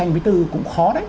điện tranh với tư cũng khó đấy